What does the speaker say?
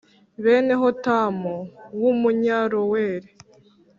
bene Hotamu w Umunyaroweri